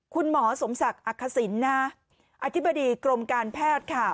คุณหมอสมศักดิ์อักษิณอธิบดีกรมการแพทย์ค่ะ